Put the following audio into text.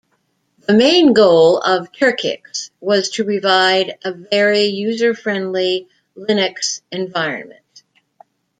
The main goal of Turkix was to provide a very user-friendly Linux environment.